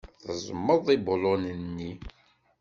Tezmeḍ ibulunen-nni.